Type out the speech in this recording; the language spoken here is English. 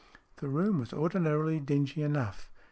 The room was ordinarily dingy enough.